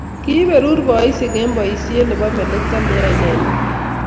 Kiiberur boisiek eng' boisiet nebomalekto neyoei inendet.